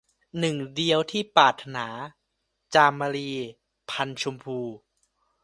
หนึ่งเดียวที่ปรารถนา - จามรี พรรณชมพู